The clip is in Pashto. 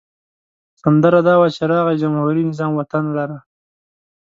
سندره دا وه چې راغی جمهوري نظام وطن لره.